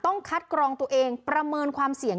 ต้องคัดกรองตัวเองประเมินความเสี่ยง